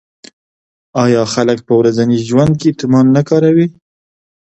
آیا خلک په ورځني ژوند کې تومان نه کاروي؟